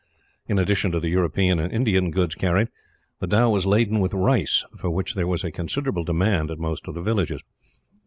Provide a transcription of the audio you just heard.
In addition to the European and Indian goods carried, the dhow was laden with rice, for which there was a considerable demand at most of the villages.